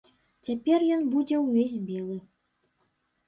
Цяпер ён будзе ўвесь белы.